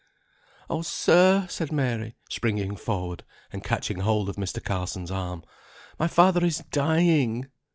"Oh, sir!" said Mary, springing forward, and catching hold of Mr. Carson's arm, "my father is dying.